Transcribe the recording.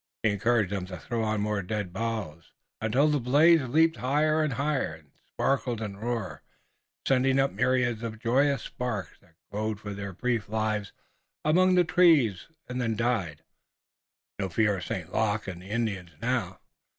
He encouraged them to throw on more dead boughs, until the blaze leaped higher and higher and sparkled and roared, sending up myriads of joyous sparks that glowed for their brief lives among the trees and then died. No fear of St. Luc and the Indians now!